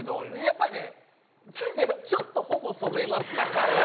やっぱりねちょっとほほ染めますよね。